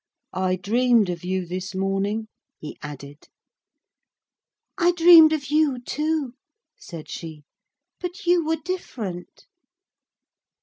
I dreamed of you this morning,' he added. 'I dreamed of you too,' said she, 'but you were different.'